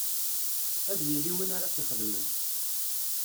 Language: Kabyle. Ad yili win ara t-ixedmen.